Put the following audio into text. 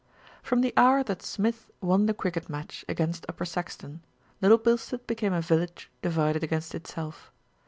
FROM the hour that Smith won the cricket match against Upper Saxton Little Bilstead became a village divided against itself.